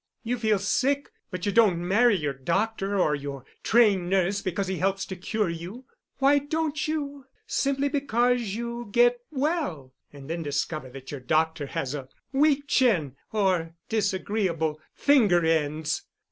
You feel sick but you don't marry your doctor or your trained nurse because he helps to cure you. Why don't you? Simply because you get well and then discover that your doctor has a weak chin or disagreeable finger ends.